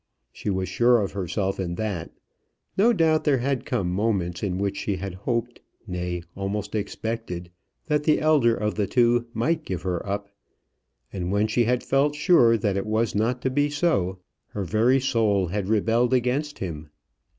She was sure of herself in that. No doubt there had come moments in which she had hoped nay, almost expected that the elder of the two might give her up; and when she had felt sure that it was not to be so, her very soul had rebelled against him.